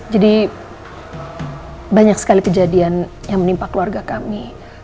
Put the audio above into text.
jadi banyak sekali kejadian yang menimpa keluarga kami